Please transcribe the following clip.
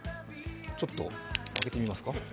ちょっと開けてみますか？